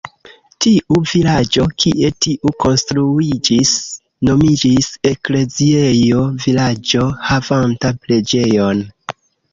Tiu vilaĝo, kie tiu konstruiĝis, nomiĝis "ekleziejo" vilaĝo havanta preĝejon.